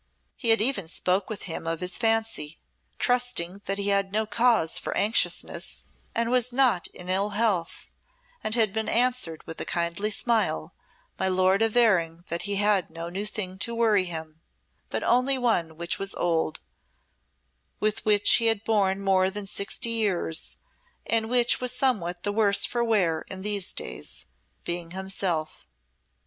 He had even spoke with him of his fancy, trusting that he had no cause for anxiousness and was not in ill health, and had been answered with a kindly smile, my lord averring that he had no new thing to weary him, but only one which was old, with which he had borne more than sixty years, and which was somewhat the worse for wear in these days being himself.